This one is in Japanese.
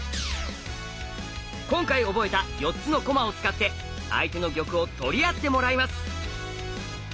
今回覚えた４つの駒を使って相手の玉を取り合ってもらいます。